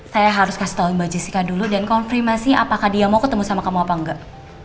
saya harus kasih tahu mbak jessica dulu dan konfirmasi apakah dia mau ketemu sama kamu apa enggak